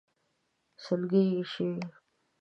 سلګۍ يې شوې.